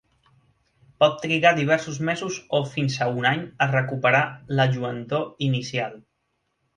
Pot trigar diversos mesos o fins a un any a recuperar la lluentor inicial.